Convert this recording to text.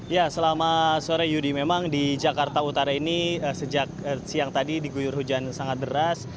ya selama sore yudi memang di jakarta utara ini sejak siang tadi diguyur hujan sangat deras